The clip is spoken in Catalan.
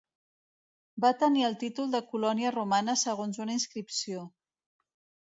Va tenir el títol de colònia romana segons una inscripció.